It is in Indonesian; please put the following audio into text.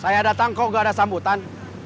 saya datang kok gak ada sambutan